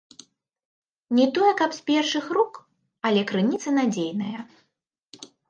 Не тое каб з першых рук, але крыніцы надзейныя.